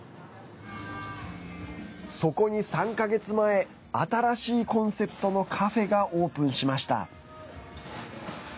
そこに３か月前新しいコンセプトのカフェがオープンしました。